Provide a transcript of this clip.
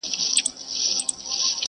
واعضِه تا مطرب ته چيري غوږ نېولی نه دی